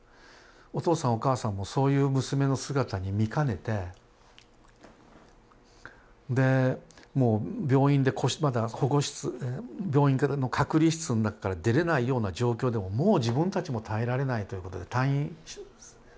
お父さんお母さんもそういう娘の姿に見かねてでもう病院でまだ保護室病院からの隔離室の中から出れないような状況でももう自分たちも耐えられないということで退院させるんですね。